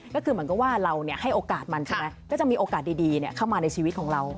ก็คือเหมือนกับว่าเราให้โอกาสมันใช่ไหมก็จะมีโอกาสดีเข้ามาในชีวิตของเรา